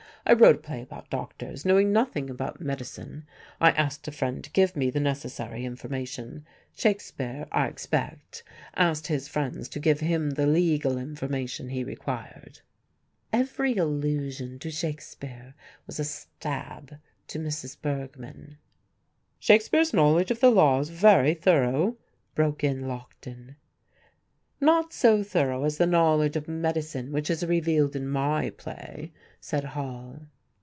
I wrote a play about doctors, knowing nothing about medicine: I asked a friend to give me the necessary information. Shakespeare, I expect, asked his friends to give him the legal information he required." Every allusion to Shakespeare was a stab to Mrs. Bergmann. "Shakespeare's knowledge of the law is very thorough," broke in Lockton. "Not so thorough as the knowledge of medicine which is revealed in my play," said Hall.